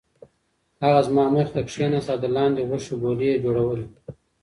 هغه زما مخې ته کېناست او د لاندي غوښې ګولې یې جوړولې.